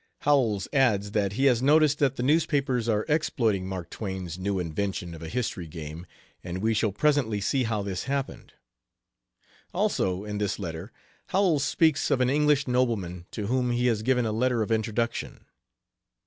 Howells adds that he has noticed that the newspapers are exploiting Mark Twain's new invention of a history game, and we shall presently see how this happened. Also, in this letter, Howells speaks of an English nobleman to whom he has given a letter of introduction.